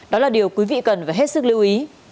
đó là điều quý vị cần phải hết sức lưu ý